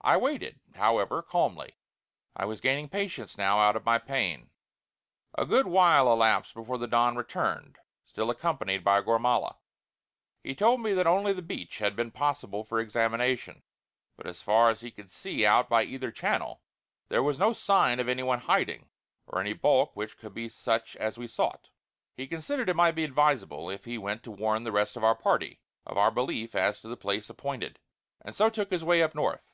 I waited, however, calmly; I was gaining patience now out of my pain. A good while elapsed before the Don returned, still accompanied by Gormala. He told me that only the beach had been possible for examination; but as far as he could see out by either channel, there was no sign of anyone hiding, or any bulk which could be such as we sought. He considered it might be advisable if he went to warn the rest of our party of our belief as to the place appointed, and so took his way up north.